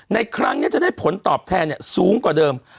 ในครั้งนี้จะได้ผลตอบแทนสูงกว่าเดิม